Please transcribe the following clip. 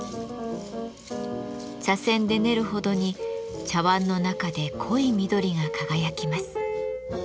茶せんで練るほどに茶わんの中で濃い緑が輝きます。